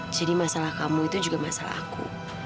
jadi masalah kamu itu juga masalah aku